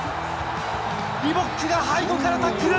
リボックが背後からタックル！